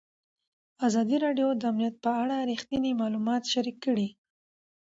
ازادي راډیو د امنیت په اړه رښتیني معلومات شریک کړي.